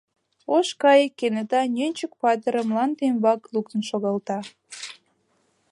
Ош кайык кенета Нӧнчык-патырым мланде ӱмбак луктын шогалта.